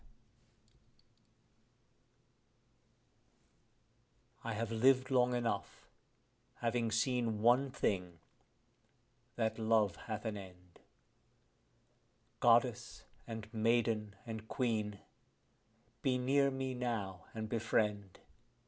_ I have lived long enough, having seen one thing, that love hath an end; Goddess and maiden and queen, be near me now and befriend.